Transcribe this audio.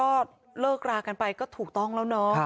และเลิกรากันไปก็ถูกต้องแล้วน้อง